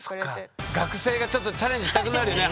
学生がちょっとチャレンジしたくなるよね